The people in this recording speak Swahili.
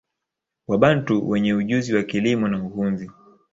Wabantu wenye ujuzi wa kilimo na uhunzi